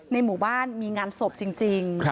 ในหมู่บ้านมีงานศพจริง